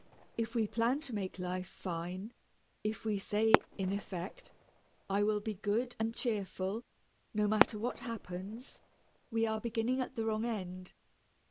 If we plan to make life fine, if we say, in effect, "I will be good and cheerful, no matter what happens," we are beginning at the wrong end.